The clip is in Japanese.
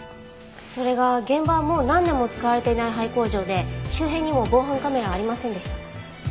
それが現場はもう何年も使われていない廃工場で周辺にも防犯カメラはありませんでした。